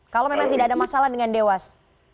kalau memang tidak ada masalah dengan dewas